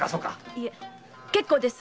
いえ結構です！